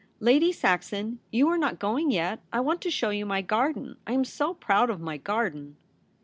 Lady Saxon, you are not going yet ; I want to show you my garden. I am so proud of my garden.'